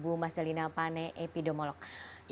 ibu mas dalena ibu mas dalena masih tersambung dengan kita ya